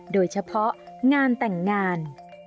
โดยเฉพาะงานแต่งงาน